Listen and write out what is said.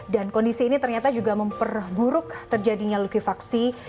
dan kondisi ini ternyata juga memperburuk terjadinya lukifaksi